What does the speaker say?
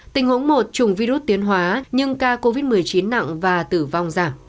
tình huống một chủng virus tiến hóa nhưng ca covid một mươi chín nặng và tử vong giảm